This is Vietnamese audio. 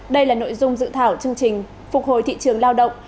đây là nội dung dự thảo chương trình phục hồi thị trường lao động